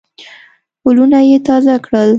ولونه یې تازه کړل.